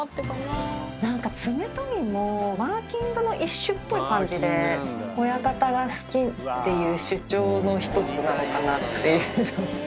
なんか爪研ぎも、マーキングの一種っぽい感じで、親方が好きっていう主張の一つなのかなっていう。